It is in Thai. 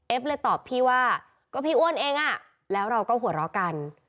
เลยตอบพี่ว่าก็พี่อ้วนเองอ่ะแล้วเราก็หัวเราะกัน